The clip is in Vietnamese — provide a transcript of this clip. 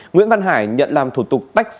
nguyễn văn hải nhận làm thủ tục tách sổ